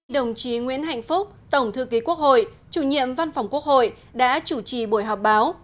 đồng chí nguyễn hạnh phúc tổng thư ký quốc hội chủ nhiệm văn phòng quốc hội đã chủ trì buổi họp báo